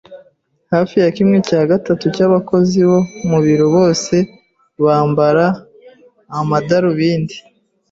Hafi ya kimwe cya gatatu cyabakozi bo mu biro bose bambara amadarubindi.